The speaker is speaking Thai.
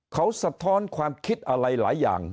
เขาสะท้อนความคิดอะไรหลายอย่าง